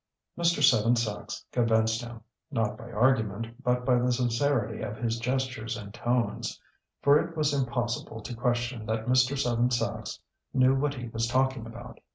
Mr. Seven Sachs convinced him not by argument, but by the sincerity of his gestures and tones; for it was impossible to question that Mr. Seven Sachs knew what he was talking about.